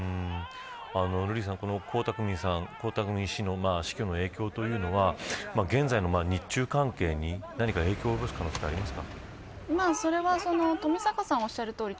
瑠麗さん江沢民氏の死去の影響は現在の日中関係に何か影響を及ぼす可能性、ありますか。